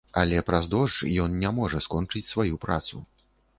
Але праз дождж ён не можа скочыць сваю працу.